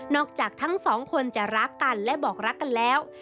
จากทั้งสองคนจะรักกันและบอกรักกันแล้ว